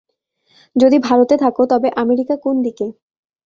যদি ভারতে থাকো তবে আমেরিকা কোন দিকে?